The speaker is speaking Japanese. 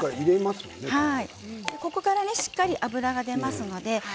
ここから、しっかり脂が出ます。